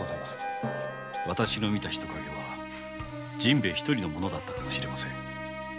私の見た人影は陣兵衛一人のものだったかもしれません。